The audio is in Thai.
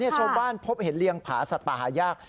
ชาวบ้านพบเห็นเลี้ยงผาสัตว์ป่าหายาก